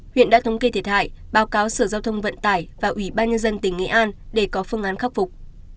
huyện đã thống kê thiệt hại báo cáo sở giao thông vận tải và ủy ban nhân dân tỉnh nghệ an để có phương án khắc phục